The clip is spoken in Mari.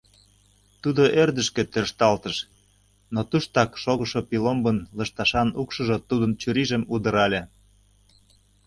Тудо ӧрдыжкӧ тӧршталтыш, но туштак шогышо пиломбын лышташан укшыжо тудын чурийжым удырале.